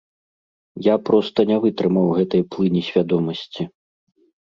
Я проста не вытрымаў гэтай плыні свядомасці.